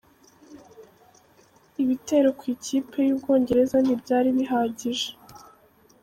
Ibitero ku ikipe y’u Bwongereza ntibyari bihagije.